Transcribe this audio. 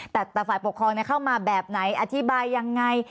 แต่ฝ่ายปกครองเข้ามาแบบไหนอธิบายยังไง